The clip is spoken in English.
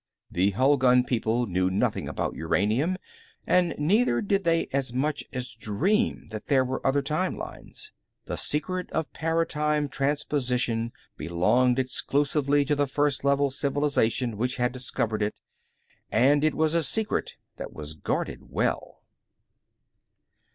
The Hulgun people knew nothing about uranium, and neither did they as much as dream that there were other time lines. The secret of paratime transposition belonged exclusively to the First Level civilization which had discovered it, and it was a secret that was guarded well.